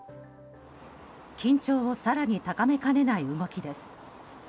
緊張を更に高めかねない動きです。